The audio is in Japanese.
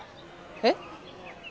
えっ？